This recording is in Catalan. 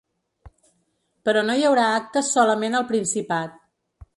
Però no hi haurà actes solament al Principat.